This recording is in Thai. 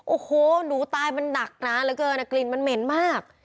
โอ้โหหนูตายมันหนักนานเหลือเกินกลิ่นมันเหม็นมาก